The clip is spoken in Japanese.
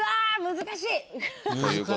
難しいわ。